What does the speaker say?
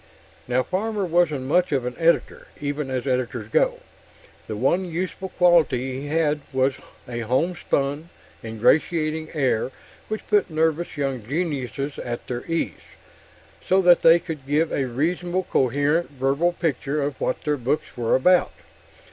Now, Farmer wasn't much of an editor, even as editors go. The one useful quality he had was a homespun, ingratiating air which put nervous young geniuses at their ease, so that they could give a reasonably coherent verbal picture of what their books were about.